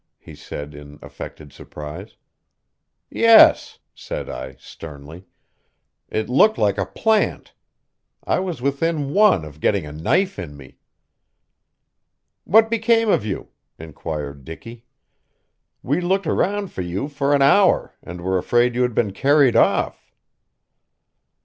he said in affected surprise. "Yes," said I sternly. "It looked like a plant. I was within one of getting a knife in me." "What became of you?" inquired Dicky. "We looked around for you for an hour, and were afraid you had been carried off."